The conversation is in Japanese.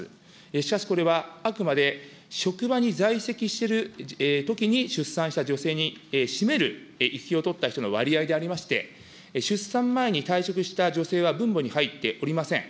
しかし、これはあくまで、職場に在籍しているときに出産した女性に占める、育休を取った人の割合でありまして、出産前に退職した女性は分母に入っておりません。